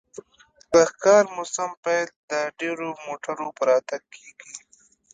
د ښکار موسم پیل د ډیرو موټرو په راتګ کیږي